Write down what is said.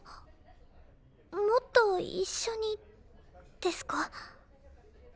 もっと一緒にですか？